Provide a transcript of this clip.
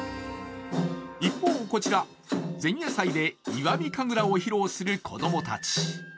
一方、こちら、前夜祭で石見神楽を披露する子供たち。